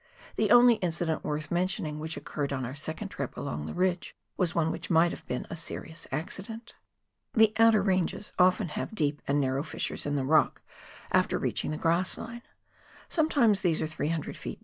The only incident worth mentioning which occurred on our second trip along the ridge was one which might have been a serious accident. The outer ranges often have deep and narrow fissures in the rock after reaching the grass line. Sometimes these are 300 ft.